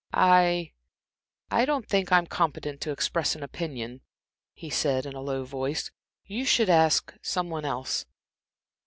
"I I don't think I'm competent to express an opinion," he said, in a low voice. "You should ask some one else."